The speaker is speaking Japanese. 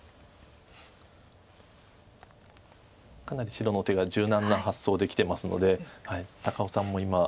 かなり白の手が柔軟な発想できてますので高尾さんも今。